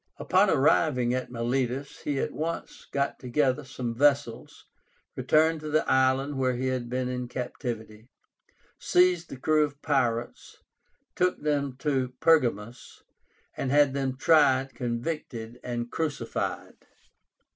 Upon arriving at Milétus he at once got together some vessels, returned to the island where he had been in captivity, seized the crew of pirates, took them to Pergamus, and had them tried, convicted, and crucified.